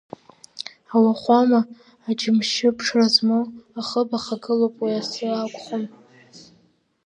Ауахәама аџьымшьы ԥшра змоу ахыб ахагылоуп, уи асы ақәхом.